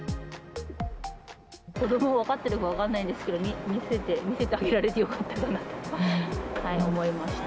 子どもは分かってるか分かんないんですけど、見せて、見せてあげられてよかったかなと思いました。